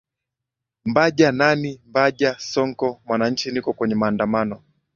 mbaja nani mbaja sonko mwananchi niko kwenye maandamano